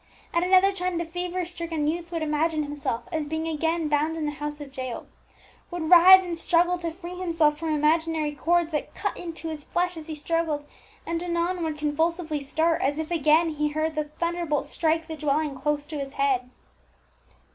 At another time the fever stricken youth would imagine himself as being again bound in the house of Jael, would writhe and struggle to free himself from imaginary cords that cut into his flesh as he struggled; and anon would convulsively start, as if again he heard the thunderbolt strike the dwelling close to his head.